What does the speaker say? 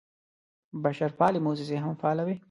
بشرپالې موسسې هم فعالې وې.